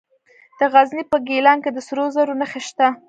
د غزني په ګیلان کې د سرو زرو نښې شته.